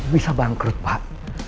bisa bangkrut pak